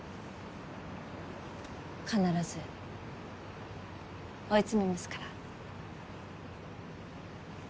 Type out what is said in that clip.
必ず追い詰めますから。